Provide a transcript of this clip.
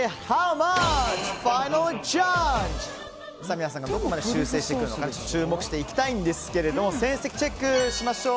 皆さんがどこまで修正していくのか注目していきたいんですが戦績チェックしましょう。